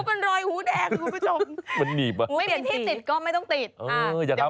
มันรอยหูแดงคุณผู้ชม